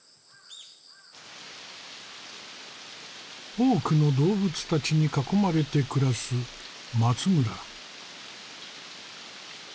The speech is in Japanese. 多くの動物たちに囲まれて暮らす松村。